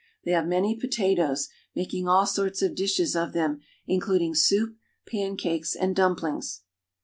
They have many potatoes, making all sorts of dishes of them, including soup, pancakes, and dumplings.